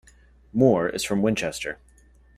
Moore is from Winchester.